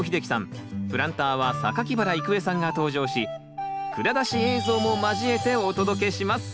プランターは原郁恵さんが登場し蔵出し映像も交えてお届けします。